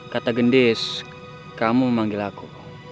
kata gendis kamu memanggil aku